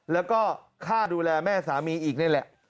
แล้วก็ค่าดูแลแม่สามีอีกนี่แหละ